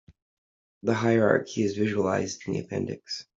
The hierarchy is visualized in the appendix.